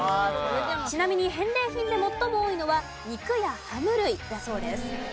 ちなみに返礼品で最も多いのは肉やハム類だそうです。